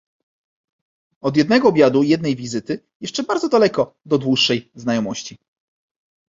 "Od jednego obiadu i jednej wizyty, jeszcze bardzo daleko do dłuższej znajomości."